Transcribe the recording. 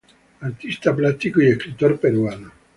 Artista plástico y escritor peruano.